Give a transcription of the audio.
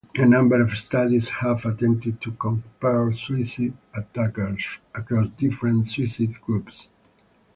A number of studies have attempted to compare suicide attackers across different suicide groups.